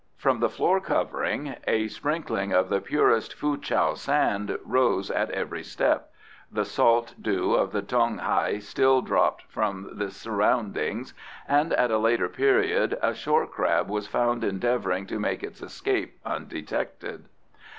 From the floor covering a sprinkling of the purest Fuh chow sand rose at every step, the salt dew of the Tung Hai still dropped from the surroundings, and, at a later period, a shore crab was found endeavouring to make its escape undetected.